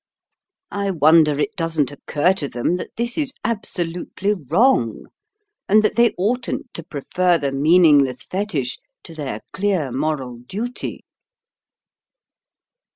I wonder it doesn't occur to them that this is absolutely wrong, and that they oughtn't to prefer the meaningless fetich to their clear moral duty."